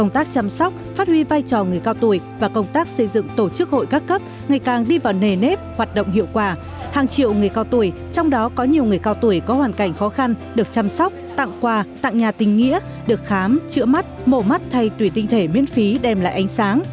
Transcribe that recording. tặng quà tặng nhà tình nghĩa được khám chữa mắt mổ mắt thay tùy tinh thể miễn phí đem lại ánh sáng